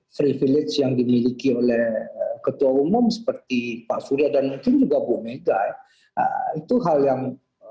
privilege yang dimiliki oleh ketua umum seperti pak surya dan mungkin juga bu mega itu hal yang